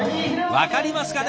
分かりますかね？